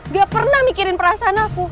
gak pernah mikirin perasaan aku